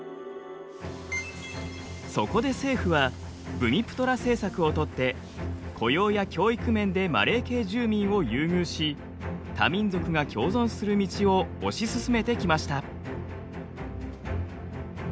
そこで政府はブミプトラ政策をとって雇用や教育面でマレー系住民を優遇し多民族が共存する道を推し進めてきました。